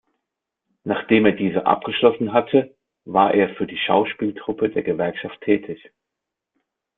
Nachdem er diese abgeschlossen hatte, war er für die Schauspieltruppe der Gewerkschaft tätig.